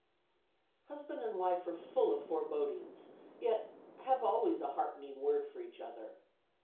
Husband and wife are full of forebodings, yet have always a heartening word for each other.